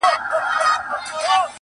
پر څښتن دسپي دي وي افرینونه,